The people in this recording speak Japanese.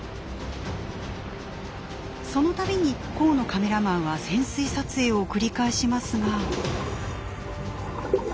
そのたびに河野カメラマンは潜水撮影を繰り返しますが。